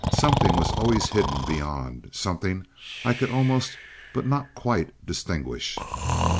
Something was always hidden beyond something I could almost, but not quite, distinguish.